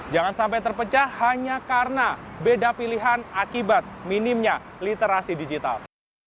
jangan sampai terpecah hanya karena beda pilihan akibat minimnya literasi digital